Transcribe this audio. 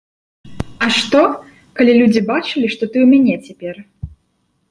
А што, калі людзі бачылі, што ты ў мяне цяпер.